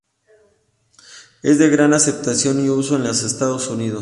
Es de gran aceptación y uso en los Estados Unidos.